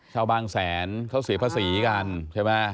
ชาวบางแสนเขาเสียภาษีกันใช่ไหม